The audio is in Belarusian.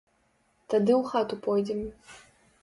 Тады ў хату пойдзем.